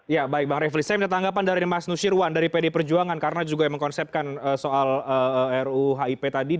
ya baik bang refli saya minta tanggapan dari mas nusirwan dari pd perjuangan karena juga yang mengkonsepkan soal ruhip tadi